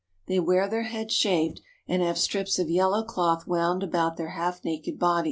They wear their heads shaved, and have strips of yellow cloth wound about their half naked bodies.